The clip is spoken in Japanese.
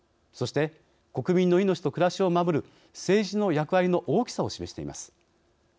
そして国民の命と暮らしを守る政治の役割の大きさを示しています。